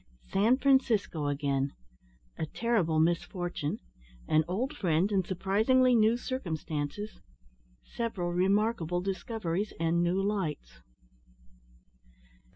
SAN FRANCISCO AGAIN A TERRIBLE MISFORTUNE AN OLD FRIEND IN SURPRISINGLY NEW CIRCUMSTANCES SEVERAL REMARKABLE DISCOVERIES AND NEW LIGHTS.